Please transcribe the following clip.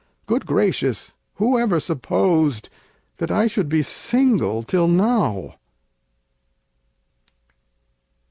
Good gracious! who ever supposed That I should be single till now?